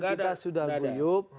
kita sudah kuyuk